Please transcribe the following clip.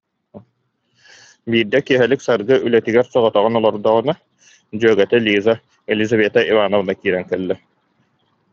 Биирдэ киэһэлик Саргы үлэтигэр соҕотоҕун олордоҕуна дьүөгэтэ Лиза, Елизавета Ивановна киирэн кэллэ